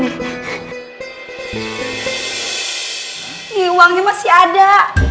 ini uangnya masih ada